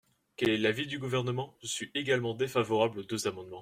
Quel est l’avis du Gouvernement ? Je suis également défavorable aux deux amendements.